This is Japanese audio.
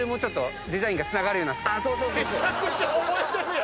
めちゃくちゃ覚えてるやん！